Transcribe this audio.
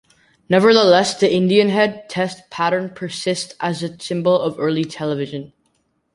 Nevertheless, the Indian-head test pattern persists as a symbol of early television.